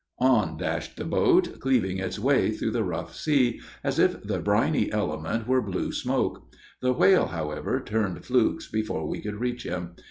On dashed the boat, cleaving its way through the rough sea, as if the briny element were blue smoke. The whale, however, turned flukes before we could reach him.